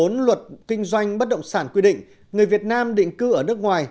theo khoảng hai một mươi bốn luật kinh doanh bất động sản quy định người việt nam định cư ở nước ngoài